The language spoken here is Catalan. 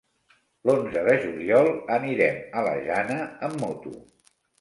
L'onze de juliol anirem a la Jana amb moto.